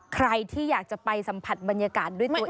ใครที่อยากจะไปสัมผัสบรรยากาศด้วยตัวเอง